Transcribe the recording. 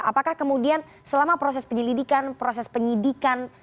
apakah kemudian selama proses penyelidikan proses penyidikan